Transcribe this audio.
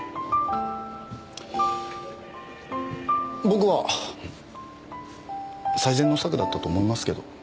僕は最善の策だったと思いますけど。